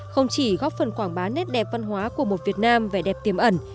không chỉ góp phần quảng bá nét đẹp văn hóa của một việt nam vẻ đẹp tiềm ẩn